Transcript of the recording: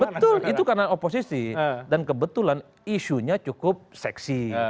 betul itu karena oposisi dan kebetulan isunya cukup seksi